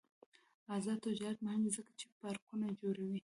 آزاد تجارت مهم دی ځکه چې پارکونه جوړوي.